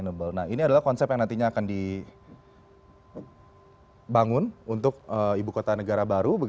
nah ini adalah konsep yang nantinya akan dibangun untuk ibu kota negara baru